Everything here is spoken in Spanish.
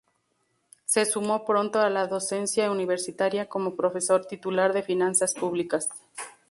Se sumó pronto a la docencia universitaria, como profesor titular de Finanzas Públicas.